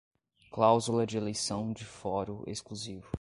cláusula de eleição de foro exclusivo